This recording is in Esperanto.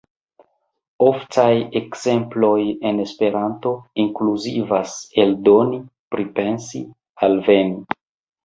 Oftaj ekzemploj en Esperanto inkluzivas "eldoni", "pripensi", "alveni".